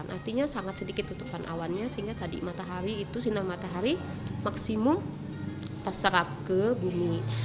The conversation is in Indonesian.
artinya sangat sedikit tutupan awannya sehingga tadi matahari itu sinar matahari maksimum terserap ke bumi